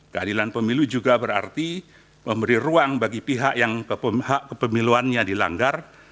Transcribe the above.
keadilan pemilu juga berarti memberi ruang bagi pihak yang hak kepemiluannya dilanggar